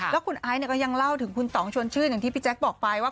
แล้วคุณไอซ์ก็ยังเล่าถึงคุณต่องชวนชื่นอย่างที่พี่แจ๊คบอกไปว่า